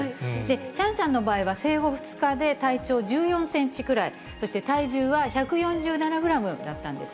シャンシャンの場合は、生後２日で体長１４センチくらい、そして体重は１４７グラムだったんです。